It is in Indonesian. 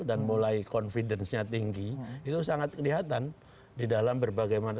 dan mulai confidence nya tinggi itu sangat kelihatan di dalam berbagai macam